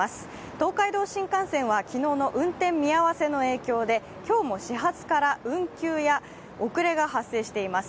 東海道新幹線は昨日の運転見合わせの影響で今日も始発から運休や遅れが発生しています。